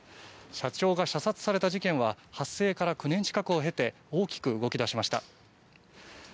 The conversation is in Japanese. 社長が射殺された事件は発生から９年近くを経て大きく動き出しました。